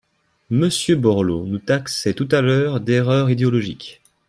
Monsieur Borloo nous taxait tout à l’heure d’erreur idéologique.